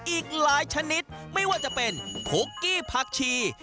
อีกหลายชนิดไม่ว่าจะเป็นคุกกี้ผักชี